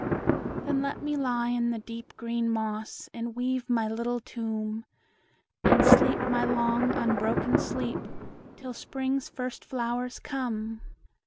Then let me lie in the deep green moss, And weave my little tomb, And sleep my long, unbroken sleep Till Spring's first flowers come.